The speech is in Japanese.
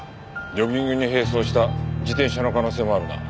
ジョギングに並走した自転車の可能性もあるな。